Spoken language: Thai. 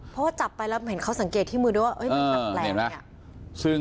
เพราะจับไปก็ทุกคนสังเกตที่มือดูว่ามันหนักแล้ว